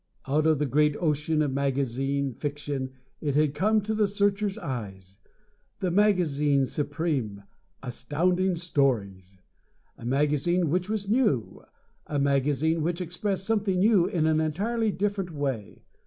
Out of the great ocean of magazine fiction it had come to the Searcher's eyes, the magazine supreme Astounding Stories! A magazine which was new, a magazine which expressed something new in an entirely different way!